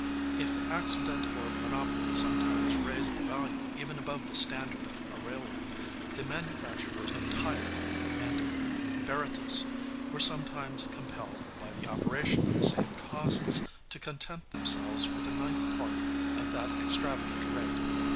If accident or monopoly sometimes raised the value even above the standard of Aurelian, the manufacturers of Tyre and Berytus were sometimes compelled, by the operation of the same causes, to content themselves with a ninth part of that extravagant rate.